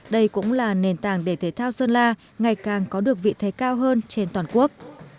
đây cũng là nền tảng để thể thao sơn la ngày càng có được vị thế cao hơn trên toàn quốc